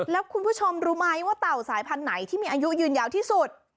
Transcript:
แล้วคุณผู้ชมรู้ไหมว่าเต่าสายพันธุ์ไหนที่มีอายุยืนยาวที่สุด